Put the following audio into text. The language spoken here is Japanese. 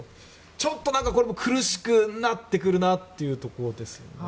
ちょっとこれも苦しくなってくるなというところですよね。